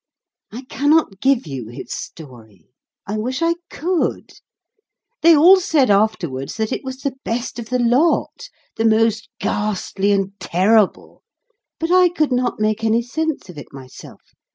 I cannot give you his story. I wish I could. They all said afterwards that it was the best of the lot the most ghastly and terrible but I could not make any sense of it myself.